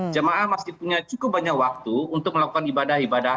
jemaah masih punya cukup banyak waktu untuk melakukan ibadah ibadah